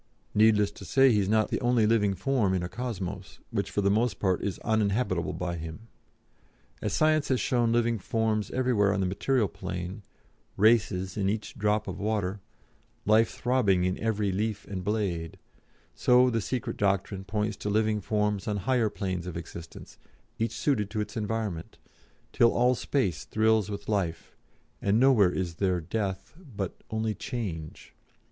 Needless to say, he is not the only living form in a Cosmos, which for the most part is uninhabitable by him. As Science has shown living forms everywhere on the material plane, races in each drop of water, life throbbing in every leaf and blade, so the 'Secret Doctrine' points to living forms on higher planes of existence, each suited to its environment, till all space thrills with life, and nowhere is there death, but only change.